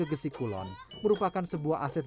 gesekulun merupakan sebuah aset